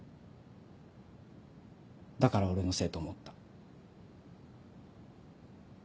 だから俺のせいと思った。